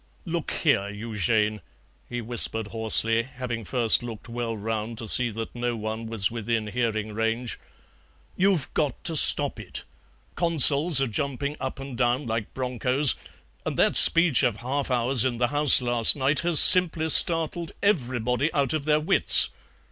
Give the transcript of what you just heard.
"Look here, Eugène," he whispered hoarsely, having first looked well round to see that no one was within hearing range, "you've got to stop it. Consols are jumping up and down like bronchos, and that speech of Halfour's in the House last night has simply startled everybody out of their wits.